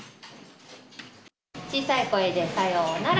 小さい声で、さようなら。